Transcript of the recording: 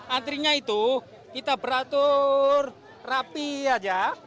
antrinya itu kita beratur rapi aja